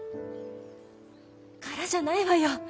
柄じゃないわよ。